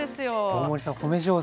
大森さん褒め上手。